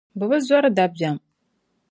Bɛ bi zɔri dabiɛm.